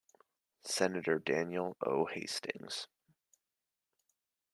Senator Daniel O. Hastings.